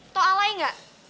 tau alay gak